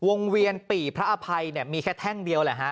เวียนปี่พระอภัยเนี่ยมีแค่แท่งเดียวแหละฮะ